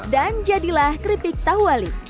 dan jadilah keripik tahu wali